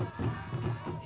hidup jangan serakah